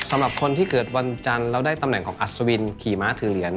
สำหรับคนที่เกิดวันจันทร์เราได้ตำแหน่งของอัศวินขี่ม้าถือเหรียญ